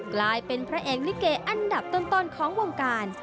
กลายเป็นพระเอกลิเกอันดับต้นของวงการ